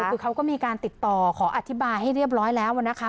คือเขาก็มีการติดต่อขออธิบายให้เรียบร้อยแล้วนะคะ